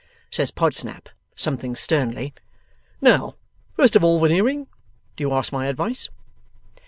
Says Podsnap, something sternly, 'Now, first of all, Veneering, do you ask my advice?